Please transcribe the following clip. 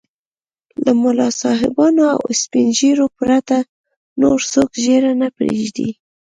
له ملا صاحبانو او سپين ږيرو پرته نور څوک ږيره نه پرېږدي.